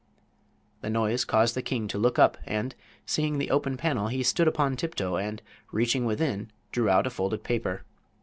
The noise caused the king to look up, and, seeing the open panel, he stood upon tiptoe, and, reaching within, drew out a folded paper.